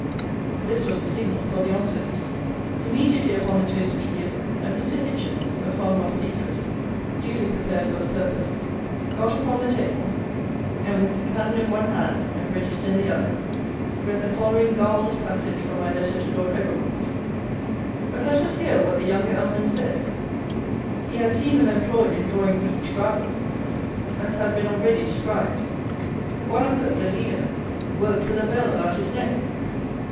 This was the signal for the onset. Immediately upon the toast being given, a Mr. Hitchins, a farmer of Seaford, duly prepared for the purpose, got upon the table, and, with candle in one hand and Register in the other, read the following garbled passage from my Letter to Lord Egremont. "But, let us hear what the younger Ellman said: 'He had seen them employed in drawing beach gravel, as had been already described. One of them, the leader, worked with a bell about his neck.'